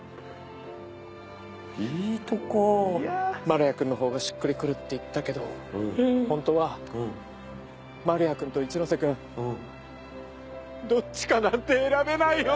丸谷くんのほうがしっくりくるって言ったけど本当は丸谷くんと一ノ瀬くんどっちかなんて選べないよ！